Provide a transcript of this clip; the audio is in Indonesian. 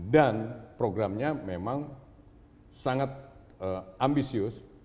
dan programnya memang sangat ambisius